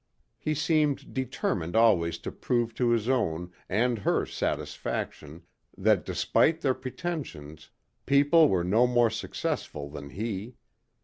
He seemed determined always to prove to his own and her satisfaction that despite their pretentions people were no more successful than he.